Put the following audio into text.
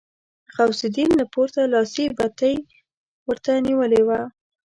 غوث الدين له پورته لاسي بتۍ ورته نيولې وه.